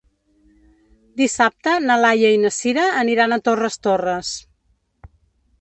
Dissabte na Laia i na Sira aniran a Torres Torres.